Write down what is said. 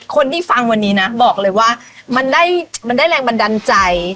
คนที่ฟังวันนี้นะบอกเลยว่ามันได้แรงบันดาลใจ